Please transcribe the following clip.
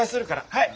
はい！